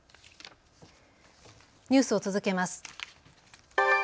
ニュースを続けます。